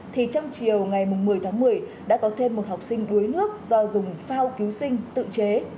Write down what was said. thì trong chiều ngày một mươi tháng một mươi đã có thêm một học sinh đuối nước do dùng phao cứu sinh tự chế